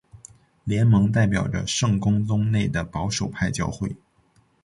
联盟代表着圣公宗内的保守派教会。